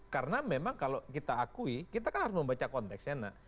karena memang kalau kita akui kita kan harus membaca konteksnya